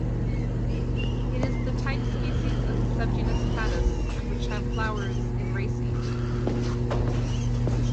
It is the type species of the subgenus "Padus", which have flowers in racemes.